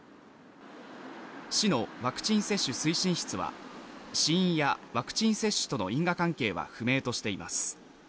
市のワクチン接種推進室は死因やワクチン接種との因果関係は不明としています